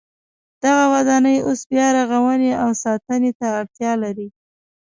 دغه ودانۍ اوس بیا رغونې او ساتنې ته اړتیا لري.